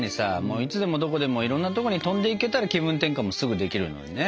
いつでもどこでもいろんなとこに飛んでいけたら気分転換もすぐできるのにね。